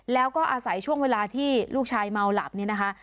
แล้วก็อาศัยช่วงเวลาที่ลูกชายเมาหลับเนี่ยนะคะ